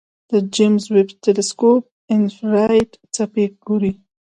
د جیمز ویب تلسکوپ انفراریډ څپې ګوري.